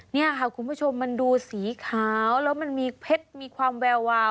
นี่ค่ะคุณผู้ชมมันดูสีขาวแล้วมันมีเพชรมีความแวววาว